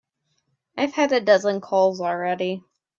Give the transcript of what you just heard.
I've had a dozen calls already.